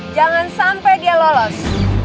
jangan sampai dia lolos